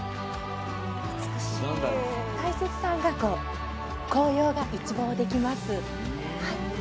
大雪山の紅葉が一望できます。